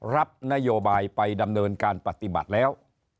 รับนโยบายไปดำเนินการปฏิบัติแล้ว